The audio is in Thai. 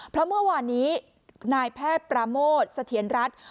เพราะเมื่อวานนี้นายแพทย์ปราโมทเสถียรรัฐ